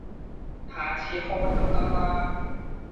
下次開都得啦